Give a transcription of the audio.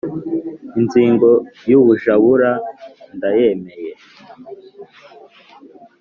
Inzigo y’ubujabura ndayemera.